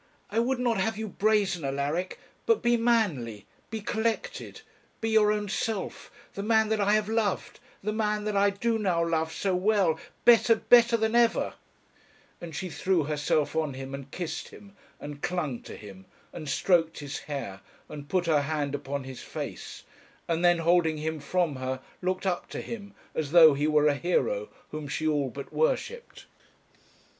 I would not have you brazen, Alaric; but be manly, be collected, be your own self, the man that I have loved, the man that I do now love so well, better, better than ever;' and she threw herself on him and kissed him and clung to him, and stroked his hair and put her hand upon his face, and then holding him from her, looked up to him as though he were a hero whom she all but worshipped.